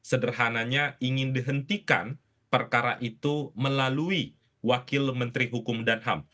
sederhananya ingin dihentikan perkara itu melalui wakil menteri hukum dan ham